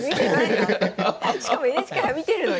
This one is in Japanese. しかもＮＨＫ杯観てるのに。